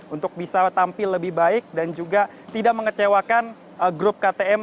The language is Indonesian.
untuk bisa tampil lebih baik dan juga tidak mengecewakan grup ktm